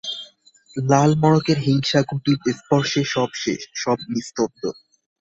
লাল মড়কের হিংসা-কুটিল স্পর্শে সব শেষ, সব নিস্তব্ধ।